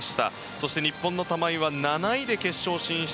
そして日本の玉井は７位で決勝進出。